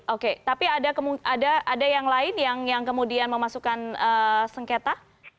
oke tapi ada yang lain yang kemudian memasukkan sengketa